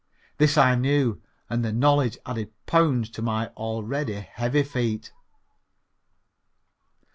This I knew and the knowledge added pounds to my already heavy feet.